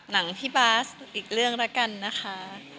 หนังพี่บาสอีกเรื่องแล้วกันนะคะ